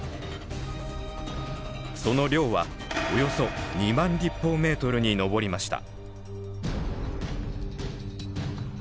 その量はおよそ２万立方メートルに上りました。